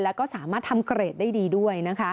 แล้วก็สามารถทำเกรดได้ดีด้วยนะคะ